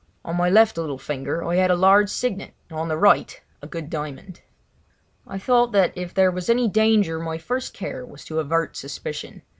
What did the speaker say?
On my left little finger I had a large signet and on the right a good diamond. I thought that if there was any danger my first care was to avert suspicion.